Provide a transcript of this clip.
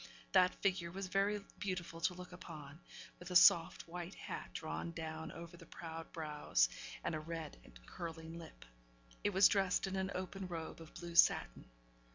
That figure was very beautiful to look upon, with a soft, white hat drawn down over the proud brows, and a red and curling lip. It was dressed in an open robe of blue satin.